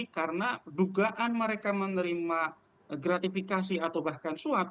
karena dugaan mereka menerima gratifikasi atau bahkan suap